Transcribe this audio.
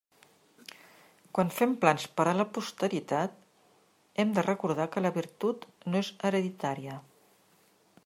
Quan fem plans per a la posteritat hem de recordar que la virtut no és hereditària.